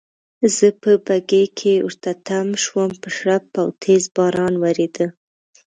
زه په بګۍ کې ورته تم شوم، په شړپ او تېز باران وریده.